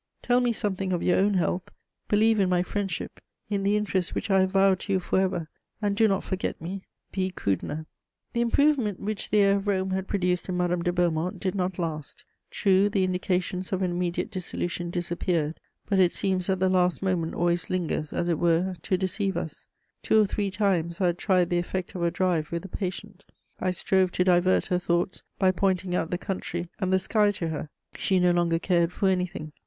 Tell me something of your own health; believe in my friendship, in the interest which I have vowed to you for ever, and do not forget me. "B. KRÜDENER." The improvement which the air of Rome had produced in Madame de Beaumont did not last: true, the indications of an immediate dissolution disappeared; but it seems that the last moment always lingers as it were to deceive us. Two or three times, I had tried the effect of a drive with the patient; I strove to divert her thoughts by pointing out the country and the sky to her: she no longer cared for anything.